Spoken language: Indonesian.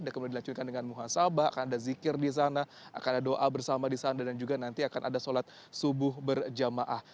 dan kemudian dilanjutkan dengan muhajabah akan ada zikir di sana akan ada doa bersama di sana dan juga nanti akan ada sholat subuh berjamaah